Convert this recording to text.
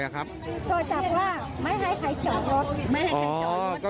โจจับว่าไม่ให้ใครจอดรถ